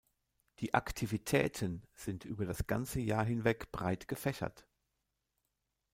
Die Aktivitäten sind über das ganze Jahr hinweg breit gefächert.